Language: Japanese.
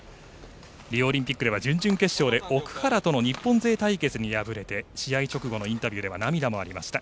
リオオリンピックでは準々決勝で奥原との日本勢対決に敗れて試合直後のインタビューでは涙もありました。